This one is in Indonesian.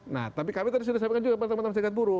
nah tapi kami tadi sudah sampaikan juga teman teman